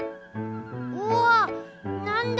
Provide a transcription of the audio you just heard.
うわっなんだ？